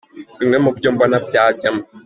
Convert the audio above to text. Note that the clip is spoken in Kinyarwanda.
Bimwe mu byo mbona byajyamo :.